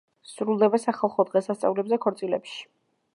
სრულდება სახალხო დღესასწაულებზე, ქორწილებში.